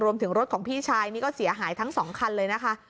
รถของพี่ชายนี่ก็เสียหายทั้ง๒คันเลยนะคะ